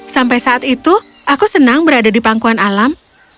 sampai saat itu aku senang berada di pangkuan alam